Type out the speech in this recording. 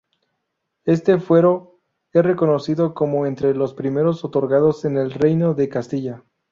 Este fuero es reconocido como entre los primeros otorgados en el reino de Castilla.